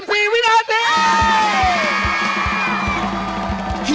๑นาที๕๔วินาที